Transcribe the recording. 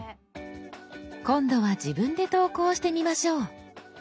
今度は自分で投稿してみましょう。